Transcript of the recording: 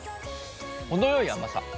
程よい甘さ。